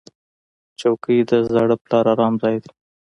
چوکۍ د زاړه پلار ارام ځای دی.